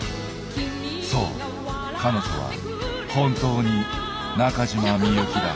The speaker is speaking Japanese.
そう彼女は本当に中島未由希だ。